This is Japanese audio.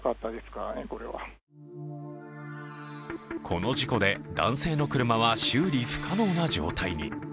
この事故で男性の車は修理不可能な状態に。